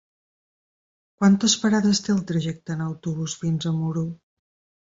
Quantes parades té el trajecte en autobús fins a Muro?